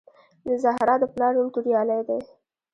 د زهرا د پلار نوم توریالی دی